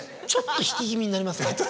引き気味になりますね